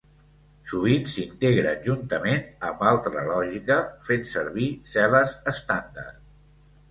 Sovint s'integren juntament amb altra lògica fent servir cel·les estàndard.